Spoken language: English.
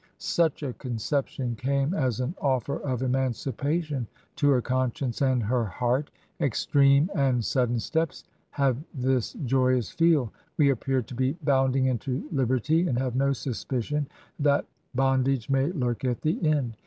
Such a conception came as an offer of emancipa tion to her conscience and her heart Extreme and sudden steps have this joyous feel; we appear to be bounding into liberty and have no suspicion that bond age may lurk at the end.